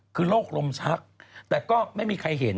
คือโรคลมชักแต่ก็ไม่มีใครเห็น